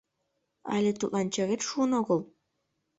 Але тудлан черет шуын огыл.